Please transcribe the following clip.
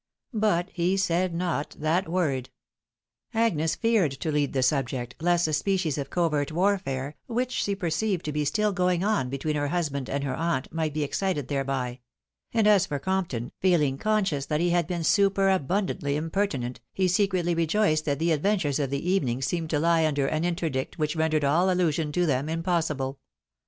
But he said not that word. Agnes feared to lead to the subject, lest the species of covert warfare, which she perceived to be still going on between her husband and her aunt, might be excited thereby ; and as for Compton, feeling conscious that he had been superabundantly impertinent, he secretly rejoiced that the adventures of the evening seemed to lie under an interdict which rendered all allusion to them im possible.